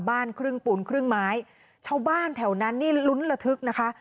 บ้านครึ่งปูนครึ่งไม้ชาวบ้านแถวนั้นนี่ลุ้นระทึกนะคะ